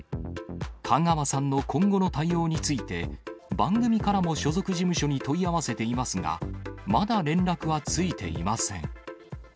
香川さんの今後の対応について、番組からも所属事務所に問い合わせていますが、まだ連絡はついていません。